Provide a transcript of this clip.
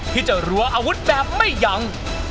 ที่จะรัวอาวุธแบบไม่ยัง